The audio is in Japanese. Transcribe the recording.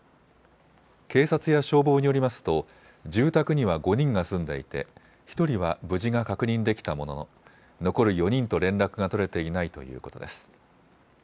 警察や消防によりますと住宅には５人が住んでいて１人は無事が確認できたものの残る４人と連絡が取れていないということです。